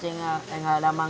jadi nggak vaksalah cuman